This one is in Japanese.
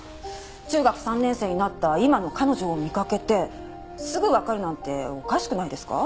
中学３年生になった今の彼女を見かけてすぐわかるなんておかしくないですか？